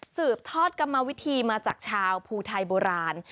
สืบทอดกรรมวิธีมาจากชาวภูไทยโบราณ